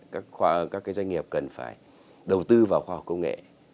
các doanh nghiệp cần phải đầu tư vào khoa học công nghệ